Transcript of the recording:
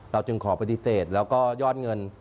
จึงขอปฏิเสธแล้วก็ยอดเงิน